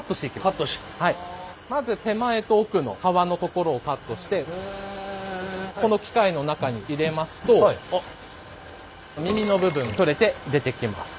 まず手前と奥の皮のところをカットしてこの機械の中に入れますと耳の部分取れて出てきます。